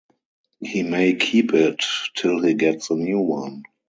He may keep it till he gets a new one.